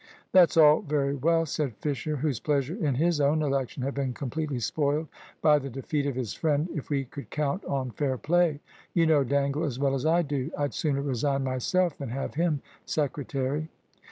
"That's all very well," said Fisher, whose pleasure in his own election had been completely spoiled by the defeat of his friend, "if we could count on fair play. You know Dangle as well as I do. I'd sooner resign myself than have him secretary."